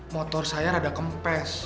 motor saya rada kempet